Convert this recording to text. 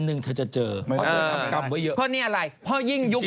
เอาใจอย่าเพิ่งขึ้น